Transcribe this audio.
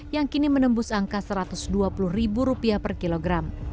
yang kini menembus angka rp satu ratus dua puluh per kilogram